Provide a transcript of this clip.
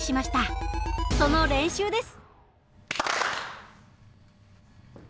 その練習です。